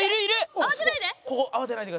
「慌てないで」